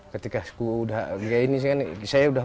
ketika saya sudah